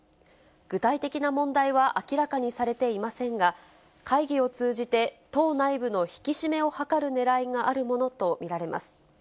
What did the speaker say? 具体的な問題は明らかにされていませんが、会議を通じて、党内部の引き締めを図るねらいがあるものと見られます。